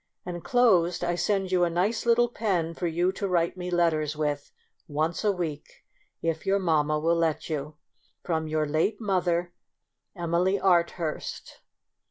Inclosed I send you a nice little pen for you to write me letters with once a week, if your mamma will let you. From your late mother, Emily Arthurst.